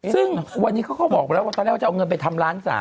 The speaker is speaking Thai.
ซึ่งวันนี้เขาก็บอกไปแล้วว่าตอนแรกจะเอาเงินไปทำล้าน๓